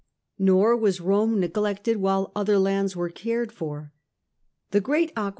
Nor was Rome neglected while and aqu« Other lands were cared for. The great aque ducta.